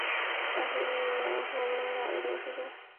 但实际阅报人数则要大大高于这个数字。